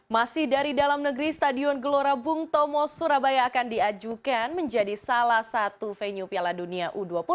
masih dari dalam negeri stadion gelora bung tomo surabaya akan diajukan menjadi salah satu venue piala dunia u dua puluh